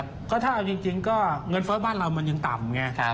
ถูกต้องเร่งคิดว่าเอาจริงก็เงินเฟ้อในภาคเรามันยังต่ำเนี่ย